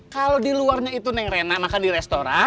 kalau di luarnya itu neng rena makan di restoran